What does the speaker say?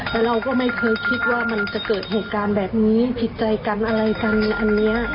แต่เราก็ไม่เคยคิดว่ามันจะเกิดเหตุการณ์แบบนี้ผิดใจกันอะไรกันอันนี้